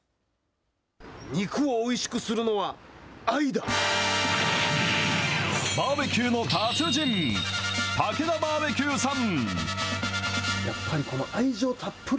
肉をおいしくするのは、バーベキューの達人、たけだバーベキューさん。